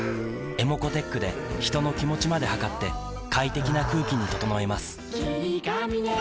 ｅｍｏｃｏーｔｅｃｈで人の気持ちまで測って快適な空気に整えます